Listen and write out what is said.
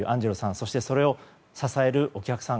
そしてそれを支えるお客さん。